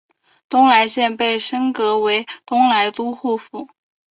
东莱县被升格为东莱都护府。